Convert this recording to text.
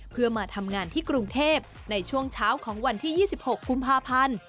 เพื่อมาทำงานที่กรุงเทพในช่วงเช้าของวันที่๒๖กุมภาพันธ์